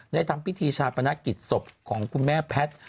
ได้ทำพิธีชาติประนักกิจสกของคุณแม่แพทย์